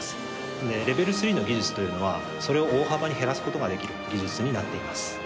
でレベル３の技術というのはそれを大幅に減らすことができる技術になっています。